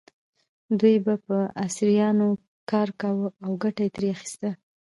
دوی به په اسیرانو کار کاوه او ګټه یې ترې اخیسته.